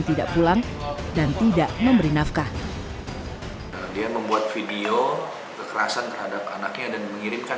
tidak pulang dan tidak memberi nafkah dia membuat video kekerasan terhadap anaknya dan mengirimkan